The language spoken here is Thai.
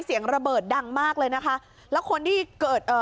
เสียงระเบิดดังมากเลยนะคะแล้วคนที่เกิดเอ่อ